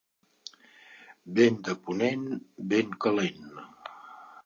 Vent de ponent, vent calent.